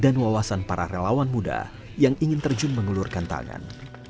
dan wawasan para relawan muda yang ingin terjun mengelurkan tangan